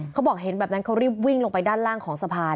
เขาบอกเห็นแบบนั้นเขารีบวิ่งลงไปด้านล่างของสะพาน